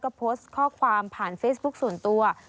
ก็โพสต์ข้อความผ่านเฟซบุ๊คส่วนตัว